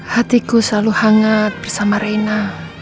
hatiku selalu hangat bersama reina